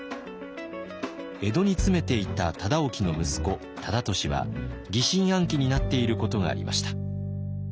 江戸に詰めていた忠興の息子忠利は疑心暗鬼になっていることがありました。